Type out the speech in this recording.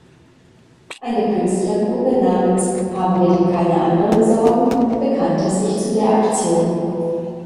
Eine Künstlergruppe namens „Haben wir denn keine anderen Sorgen“ bekannte sich zu der Aktion.